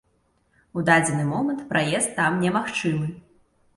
У дадзены момант праезд там немагчымы.